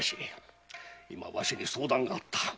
今わしに相談があった。